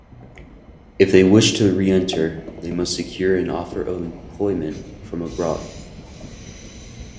If they wish to re-enter, they must secure an offer of employment from abroad.